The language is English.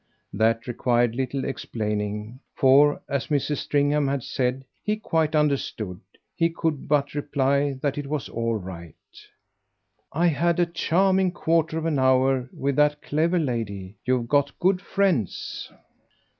That required little explaining, for, as Mrs. Stringham had said, he quite understood he could but reply that it was all right. "I had a charming quarter of an hour with that clever lady. You've got good friends."